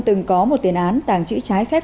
từng có một tiền án tàng trữ trái phép